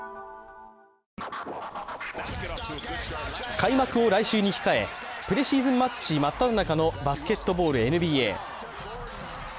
開幕を来週に控え、プレシーズンマッチまっただ中のバスケットボール、ＮＢＡ。